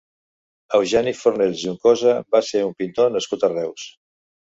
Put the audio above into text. Eugeni Fornells Juncosa va ser un pintor nascut a Reus.